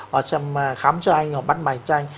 họ sẽ khám cho anh họ bắt màn cho anh